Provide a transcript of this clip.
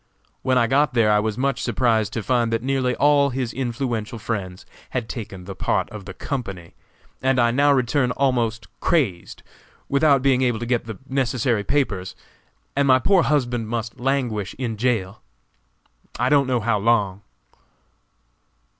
When I got there I was much surprised to find that nearly all his influential friends had taken the part of the company, and I now return almost crazed, without being able to get the necessary papers, and my poor husband must languish in jail, I don't know how long."